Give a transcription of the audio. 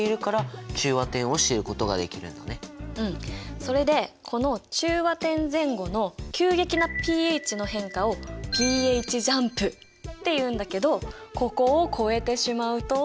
それでこの中和点前後の急激なｐＨの変化をｐＨジャンプっていうんだけどここを越えてしまうと。